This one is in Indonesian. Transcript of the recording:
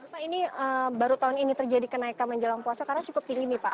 pak ini baru tahun ini terjadi kenaikan menjelang puasa karena cukup tinggi nih pak